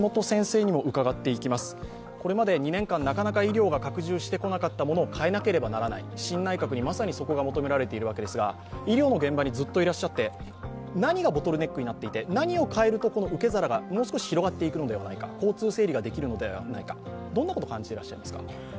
これまで２年間なかなか医療が拡充してこなかったものを変えなければならない新内閣に、まさにそこが求められているわけですが医療の現場にずっといらっしゃって何がボトルネックになっていて何を変えると受け皿がもう少し広がっていくのではないか交通整理ができるのではないか、どんなこと感じてらっしゃいますか？